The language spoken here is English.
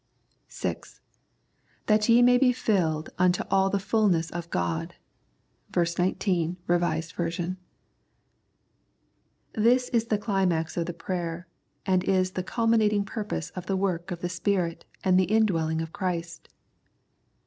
(6) " That ye may be filled unto all the fulness of God" (ver. 19, R.V.). This is the climax of the prayer and is the cul minating purpose of the work of the Spirit and the indwelling of Christ.